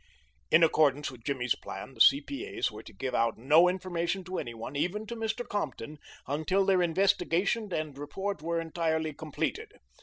In accordance with Jimmy's plan, the C.P.A.'s were to give out no information to any one, even to Mr. Compton, until their investigation and report were entirely completed.